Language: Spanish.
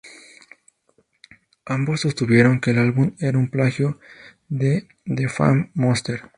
Ambos sostuvieron que el álbum era un plagio de The Fame Monster.